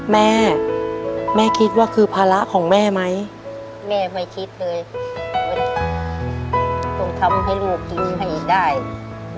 แม่แม่คิดว่าคือภาระของแม่ไหมแม่ไม่คิดเลยว่าต้องทำให้ลูกกินให้ได้